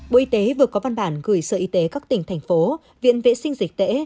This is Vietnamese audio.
bộ y tế vừa có văn bản gửi sở y tế các tỉnh thành phố viện vệ sinh dịch tễ